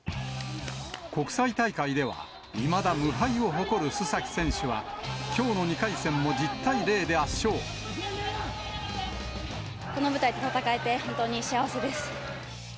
国際大会では、いまだ無敗を誇る須崎選手は、この舞台で戦えて、本当に幸せです。